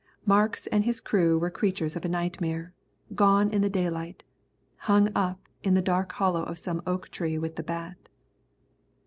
Marks and his crew were creatures of a nightmare, gone in the daylight, hung up in the dark hollow of some oak tree with the bat.